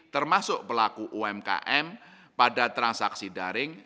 termasuk pelaku umkm pada transaksi daring